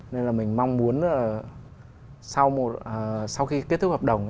nên là mình mong muốn là sau khi kết thúc hợp đồng